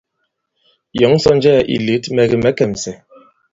Yɔ̌ŋ sɔ nnjɛɛ̄ ì lět, mɛ̀ kì mɛ̌ kɛ̀msɛ̀.